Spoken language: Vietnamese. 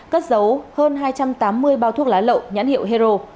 cất dấu hơn hai trăm tám mươi bao thuốc lá lậu nhãn hiệu hero